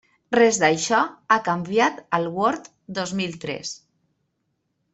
Res d'això ha canviat al Word dos mil tres.